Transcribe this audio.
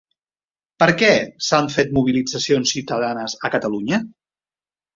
Per què s'han fet mobilitzacions ciutadanes a Catalunya?